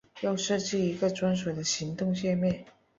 要设计一个专属的行动介面